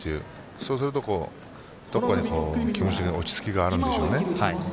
そうすると気持ちが落ち着きがあるんでしょうね。